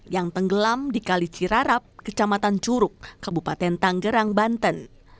yang tenggelam di kali cirarap kecamatan curug kabupaten tanggerang banten